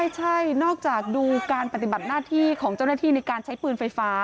ใช่นอกจากดูการปฏิบัติหน้าที่ของเจ้าหน้าที่ในการใช้ปืนไฟฟ้า